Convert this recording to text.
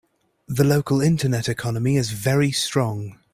The local internet economy is very strong.